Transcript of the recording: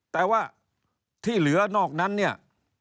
แต่ว่าที่เหลือนอกนั้นเนี่ย